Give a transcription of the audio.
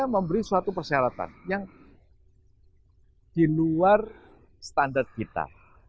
mereka memberi suatu persyaratan yang diluar standar kita